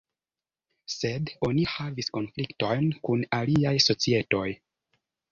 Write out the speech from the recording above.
Sed oni havis konfliktojn kun aliaj societoj.